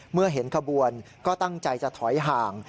เมื่อเห็นขบวนก็ตั้งใจจะถอยห่าง